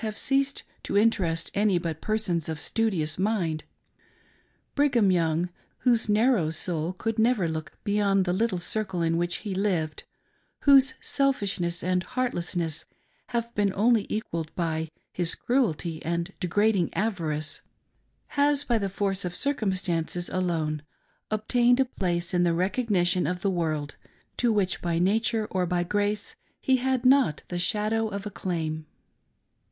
have ceased to interest any but persons of studious mindr,^! Brigkam Young, whose narrow soul could never look beyond' the little circle in which he hved; whose selfishness and heartlessness have been only equalled by his cruelty and degrading avarice, has, by the force of circumstances alone, obtained a place in the recognition of the world, to which by nature or by grace he had not the shadow of a claim.